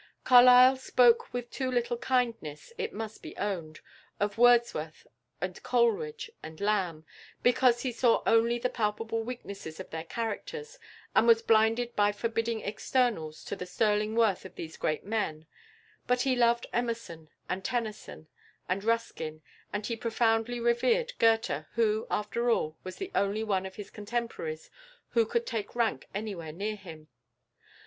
Carlyle spoke with too little kindness, it must be owned, of Wordsworth, and Coleridge, and Lamb, because he saw only the palpable weaknesses of their characters, and was blinded by forbidding externals to the sterling worth of these great men; but he loved Emerson, and Tennyson, and Ruskin, and he profoundly revered Goethe, who, after all, was the only one of his contemporaries who could take rank anywhere near him.